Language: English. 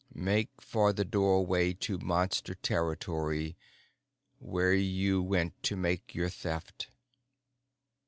Make for the doorway to Monster territory where you went to make your Theft."